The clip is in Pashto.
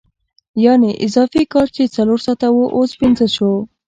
یانې اضافي کار چې څلور ساعته وو اوس پنځه شو